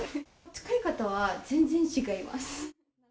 使い方は全然違います。